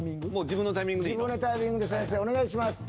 自分のタイミングでお願いします。